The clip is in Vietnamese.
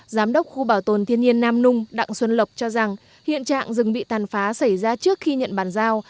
giám đốc khu bảo tồn thiên nhiên nam nung đặng xuân lộc cho rằng hiện trạng rừng bị tàn phá xảy ra trước khi nhận bàn giao